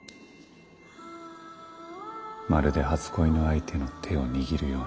まるで初恋の相手の手を握るように。